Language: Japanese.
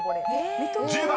［１０番］